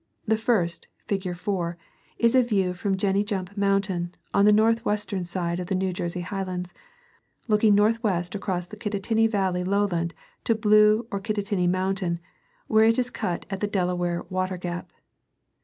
The first, fig. 4, is a view from Jenny Jump mountain, on the northwestern side of the New Jersey highlands, I /^/% i \,'>. ""^^"^^^^j looking northwest across the Kitta tinny valley lowland to Blue or Kit tatinny mountain, where it is cut at the Delaware Water gap.